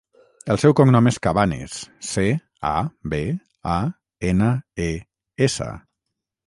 El seu cognom és Cabanes: ce, a, be, a, ena, e, essa.